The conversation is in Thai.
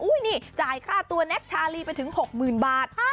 นี่จ่ายค่าตัวแน็กชาลีไปถึง๖๐๐๐บาท